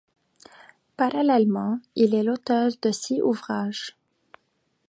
Parallèlement, il est l'auteur de six ouvrages.